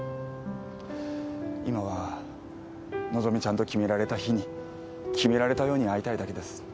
今は和希ちゃんと決められた日に決められたように会いたいだけです。